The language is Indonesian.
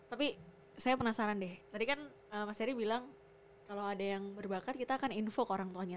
tapi saya penasaran deh tadi kan mas heri bilang kalau ada yang berbakat kita akan info ke orang tuanya